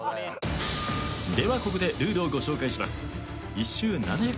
ではここでルールをご紹介します。